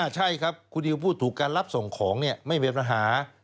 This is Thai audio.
ใช่ครับคุณดิวพูดถูกการรับส่งของไม่มีปัญหา